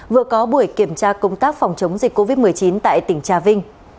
vừa có buổi kiểm tra công tác phòng chống dịch covid một mươi chín tại tỉnh trà vinh